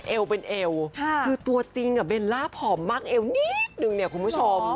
เอวเป็นเอวคือตัวจริงเบลล่าผอมมากเอวนิดนึงเนี่ยคุณผู้ชม